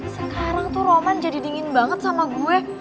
sekarang tuh roman jadi dingin banget sama gue